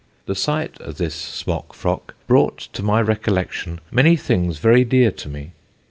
The sight of this smock frock brought to my recollection many things very dear to me.